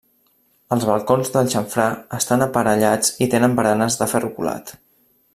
Els balcons del xamfrà estan aparellats i tenen baranes de ferro colat.